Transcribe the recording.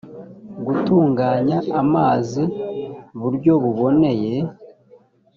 gutunganya amazi buryo buboneye